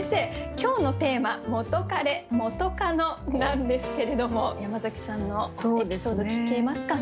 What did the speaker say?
今日のテーマ「元カレ・元カノ」なんですけれども山崎さんのエピソード聞けますかね？